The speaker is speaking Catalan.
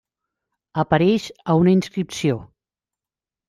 Apareix a una inscripció.